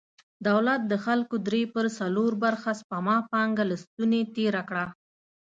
دولت د خلکو درې پر څلور برخه سپما پانګه له ستونې تېره کړه.